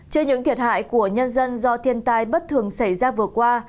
trên những thiệt hại của nhân dân do thiên tai bất thường xảy ra vừa qua